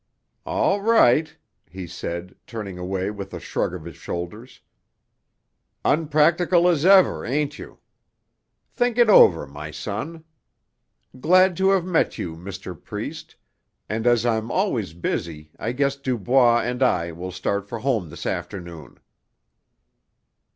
"All right," he said, turning away with a shrug of his shoulders. "Unpractical as ever, ain't you? Think it over, my son. Glad to have met you, Mr. Priest, and as I'm always busy I guess Dubois and I will start for home this afternoon."